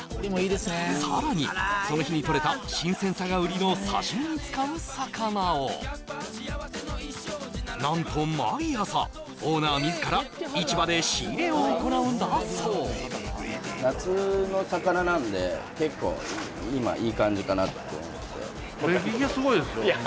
さらにその日にとれた新鮮さが売りの刺身に使う魚を何と毎朝オーナー自ら市場で仕入れを行うんだそう夏の魚なんで結構よく言いますよ